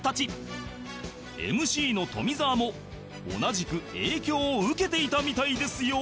ＭＣ の富澤も同じく影響を受けていたみたいですよ